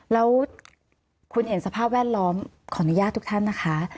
แล้วคุณเห็นสภาพแวดล้อมขออนุญาตทุกท่านนะคะ